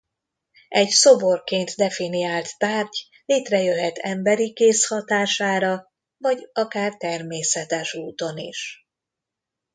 Egy szoborként definiált tárgy létrejöhet emberi kéz hatására vagy akár természetes úton is.